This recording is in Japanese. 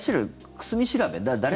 久住調べ？